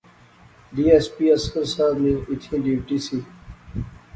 ڈی ایس پی اصغر صاحب نی ایتھیں ڈیوٹی سی